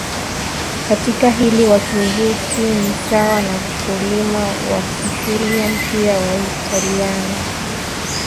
Katika hili Waturuki ni sawa na wakulima wa Sicilian pia Waitaliano